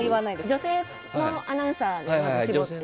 女性のアナウンサーで絞って。